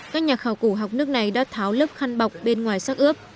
các nhà khảo cổ học nước này đã tháo lớp khăn bọc bên ngoài sắc ướp